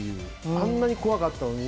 あんなに怖かったのに。